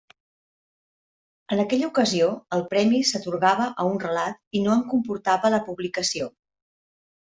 En aquella ocasió, el premi s’atorgava a un relat i no en comportava la publicació.